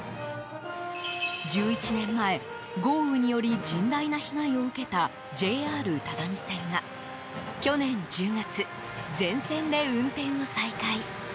１１年前、豪雨により甚大な被害を受けたＪＲ只見線が去年１０月、全線で運転を再開。